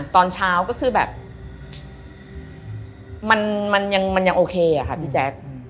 ตอนเช้าก็คือแบบมันยังโอเคอะค่ะพี่แจ๊ค